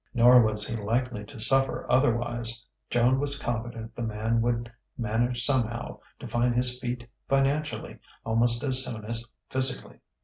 Nor was he likely to suffer otherwise. Joan was confident the man would manage somehow to find his feet financially, almost as soon as physically.